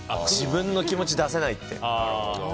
自分の気持ち出せないって。